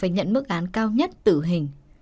nhận mức án cao nhất tử hình